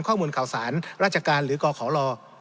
ข้อมูลข่าวสารราชการหรือกขอล